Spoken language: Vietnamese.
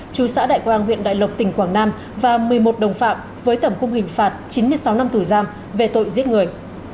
chú xã đại quang huyện đại lộc tỉnh quảng nam và một mươi một đồng phạm với tẩm khung hình phạt chín mươi sáu năm tù giam về tội giết người